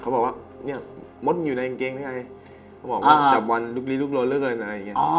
เขาบอกว่าเนี่ยมดอยู่ในกางเกงหรือไงเขาบอกว่าจับวันลุกลีลุกโลนเหลือเกินอะไรอย่างนี้